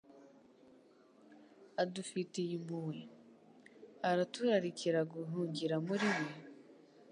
Adufitiye impuhwe. Araturarikira guhungira muri we,